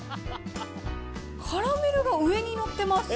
カラメルが上に載ってます。